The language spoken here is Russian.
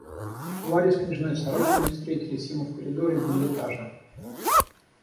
Варя с княжной Сорокиной встретились ему в коридоре бель-этажа.